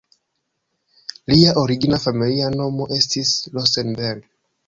Lia origina familia nomo estis "Rosenberg".